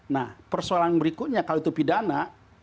nah persoalan berikutnya kalau itu pidana